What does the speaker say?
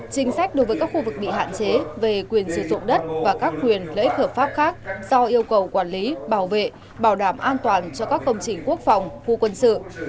chính sách đối với các khu vực bị hạn chế về quyền sử dụng đất và các quyền lợi ích hợp pháp khác do yêu cầu quản lý bảo vệ bảo đảm an toàn cho các công trình quốc phòng khu quân sự